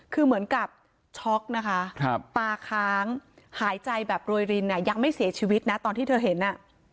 คือเหมือนกับช็อกนะคะตาค้างหายใจแบบโรยรินยังไม่เสียชีวิตนะตอนที่เธอเห็นอ่ะ